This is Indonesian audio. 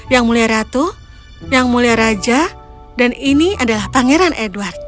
yang mulia ratu yang mulia raja dan ini adalah pangeran edward